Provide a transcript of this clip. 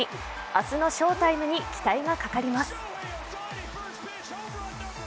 明日の翔タイムに期待がかかります。